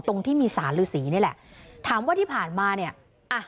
ตรงที่มีสารฤษีนี่แหละถามว่าที่ผ่านมาเนี่ยอ่ะ